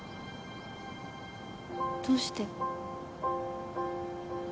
どうして？